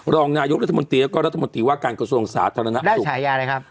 รองนายกรรธมนตรีแล้วก็รัฐมนตรีว่าการกระทรวงศาสตร์ธรรมนักศุกรได้ฉายาอะไรครับ